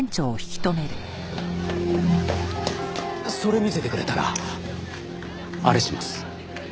それ見せてくれたらあれします。